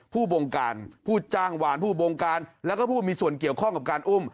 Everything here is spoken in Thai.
บงการผู้จ้างหวานผู้บงการแล้วก็ผู้มีส่วนเกี่ยวข้องกับการอุ้ม